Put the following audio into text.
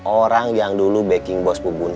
orang yang dulu backing bos bu bun